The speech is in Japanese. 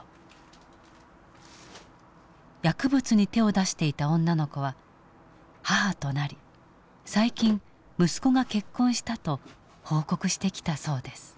薬物に手を出していた女の子は母となり最近息子が結婚したと報告してきたそうです。